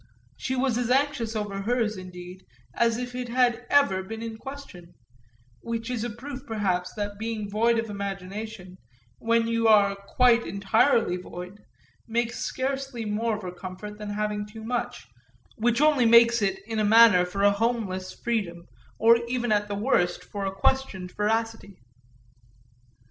She was as anxious over hers indeed as if it had ever been in question which is a proof perhaps that being void of imagination, when you are quite entirely void, makes scarcely more for comfort than having too much, which only makes in a manner for a homeless freedom or even at the worst for a questioned veracity.